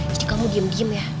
jadi kamu diem diem ya